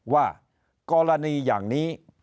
ว่ากรณีอย่างนี้